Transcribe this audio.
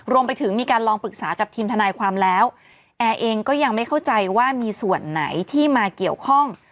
รวมไปถึงมีการลองปรึกษากับทีมทนายความแล้วแอร์เองก็ยังไม่เข้าใจว่ามีส่วนไหนที่มาเกี่ยวข้อง